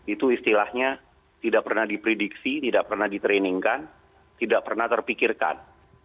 itu istilahnya tidak pernah diprediksi tidak pernah ditrainingkan tidak pernah terpikirkan